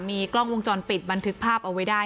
มีกล้องวงจรปิดบันทึกภาพเอาไว้ได้